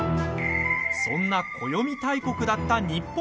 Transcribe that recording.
そんな暦大国だった日本。